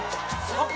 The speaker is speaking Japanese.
あっ！